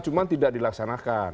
cuma tidak dilaksanakan